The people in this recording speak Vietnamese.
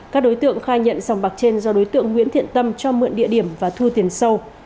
các đối tượng khai nhận sòng bạc trên do đối tượng nguyễn thiện tâm cho mượn địa điểm và thu tiền sâu